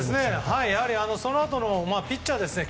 やはりそのあとのピッチャーですね。